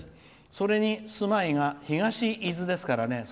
それに住まいが東伊豆ですからね」。